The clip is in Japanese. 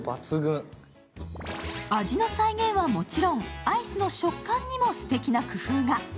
味の再現はもちろん、アイスの食感にもすてきな工夫が。